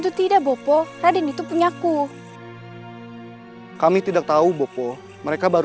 tidak ada yang perlu kamu sampaikan